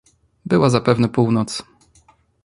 "Była zapewne północ."